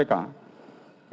tidak berlaku pk